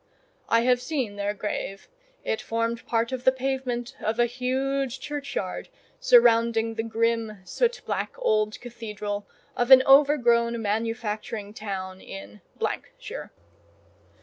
(I have seen their grave; it formed part of the pavement of a huge churchyard surrounding the grim, soot black old cathedral of an overgrown manufacturing town in ——shire.)